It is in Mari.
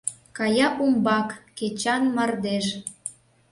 Кая умбак Кечан мардеж.